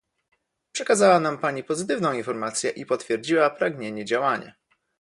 Przekazała nam pani pozytywną informację i potwierdziła pragnienie działania